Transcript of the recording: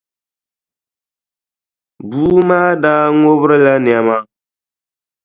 Bua maa daa ŋubirila nɛma.